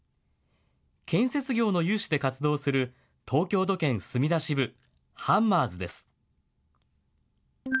建設業の有志で活動する東京土建墨田支部ハンマーズです。